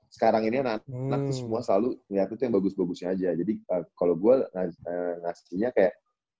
sekarang ini anak anak semua selalu ngeliat itu yang bagus bagusnya aja jadi kalau gue ngasihnya kayak